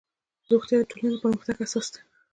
روغتیا د ټولنې د پرمختګ اساس دی